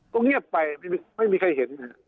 ก็เงียบไปไม่มีใครเห็น